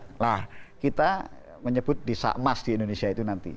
nah kita menyebut desa emas di indonesia itu nanti